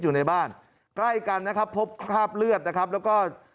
อยู่ในบ้านใกล้กันนะครับพบคราบเลือดนะครับแล้วก็